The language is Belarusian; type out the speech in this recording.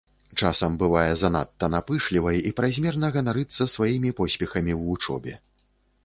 Часам бывае занадта напышлівай і празмерна ганарыцца сваімі поспехамі ў вучобе.